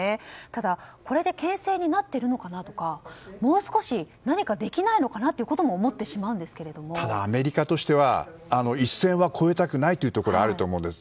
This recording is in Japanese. ただ、これで牽制になっているのかなとかもう少し何かできないのかなということもただアメリカとしては一線は超えたくないと思います。